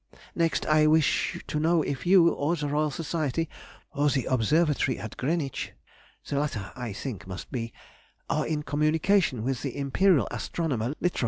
Next, I wish to know if you, or the Royal Society, or the Observatory at Greenwich (the latter I think must be) are in communication with the Imperial astronomer Littrow?